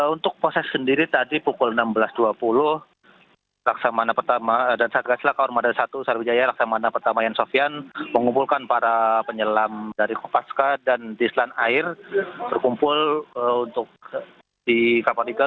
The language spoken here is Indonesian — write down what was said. untuk proses sendiri tadi pukul enam belas dua puluh laksamana pertama dan sargasila kawan madras satu sarwijaya laksamana pertama yang sofian mengumpulkan para penyelam dari kopaska dan dislan air berkumpul di kapal riga